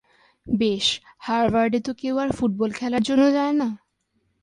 বেশ, হার্ভার্ডে তো কেউ আর ফুটবল খেলার জন্য যায় না।